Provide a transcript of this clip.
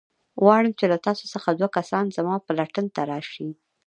غواړم چې له تاسو څخه دوه کسان زما پلټن ته راشئ.